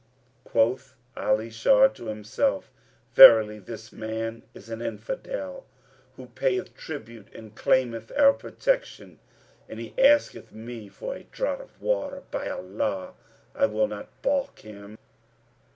"[FN#282] Quoth Ali Shar to himself, "Verily, this man is an Infidel who payeth tribute and claimeth our protection[FN#283] and he asketh me for a draught of water; by Allah, I will not baulk him!"